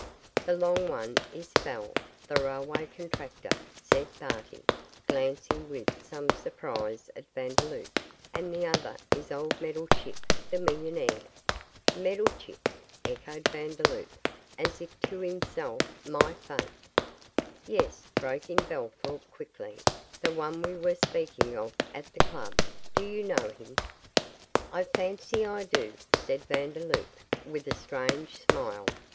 'The long one is Fell, the railway contractor,' said Barty, glancing with some surprise at Vandeloup, 'and the other is old Meddlechip, the millionaire.' 'Meddlechip,' echoed Vandeloup, as if to himself; 'my faith!' 'Yes,' broke in Bellthorp, quickly; 'the one we were speaking of at the club do you know him?' 'I fancy I do,' said Vandeloup, with a strange smile.